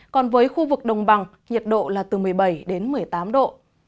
còn với khu vực đồng bằng nhiệt độ là từ một mươi bảy đến một mươi tám độ